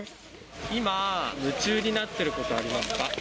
今、夢中になっていることありますか？